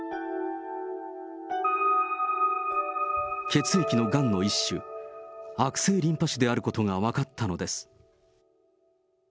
血液のがんの一種、悪性リンパ腫であることが分かったのです。